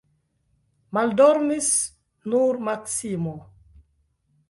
Maldormis nur Maksimo.